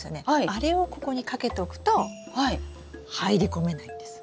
あれをここにかけとくと入り込めないんです。